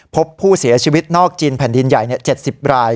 พบผู้เสียชีวิตนอกจีนแผ่นดินใหญ่๗๐ราย